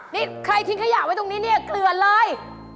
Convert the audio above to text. นี่ใครทิ้งขยะไว้ตรงนี้เนี่ยเกลือเลย